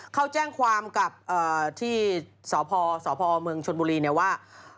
เขาแจ้งความกับที่สพสพเมืองชนบุรีเนี่ยว่า